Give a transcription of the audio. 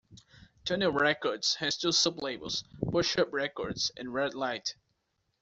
Tunnel Records has two sublabels: Push Up Records and Red Light.